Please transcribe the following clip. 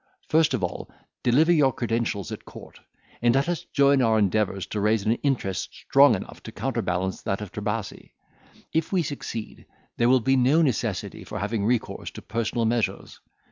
First of all, deliver your credentials at court, and let us join our endeavours to raise an interest strong enough to counterbalance that of Trebasi. If we succeed, there will be no necessity for having recourse to personal measures.